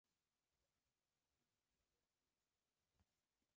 Arroyos: Las Turbias, San Genaro y Las Estacas.